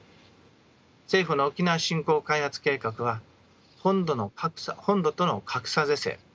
政府の沖縄振興開発計画は本土との格差是正